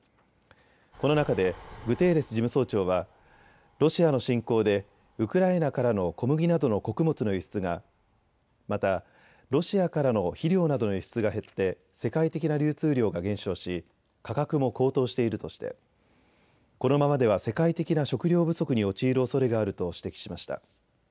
この中でグテーレス事務総長はロシアの侵攻でウクライナからの小麦などの穀物の輸出が、またロシアからの肥料などの輸出が減って世界的な流通量が減少し価格も高騰しているとして、このままでは世界的な食料不足に陥るおそれがあると指摘しました。